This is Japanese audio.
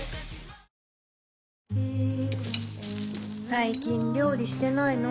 最近料理してないの？